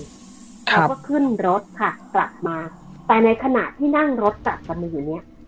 เขาก็ขึ้นรถค่ะกลับมาแต่ในขณะที่นั่งรถกลับกันมาอยู่เนี้ย